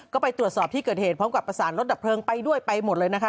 ก็ไปตรวจสอบที่เกิดเหตุพร้อมกับประสานรถดับเพลิงไปด้วยไปหมดเลยนะคะ